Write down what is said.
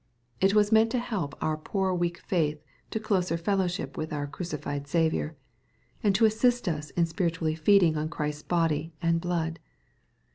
It was meant to help^^ur poor weak faith to closer fellowship with our crucified Saviour, and to assist us in spiritually feeding on Christ's body and blood.